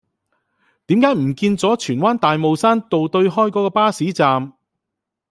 點解唔見左荃灣大帽山道對開嗰個巴士站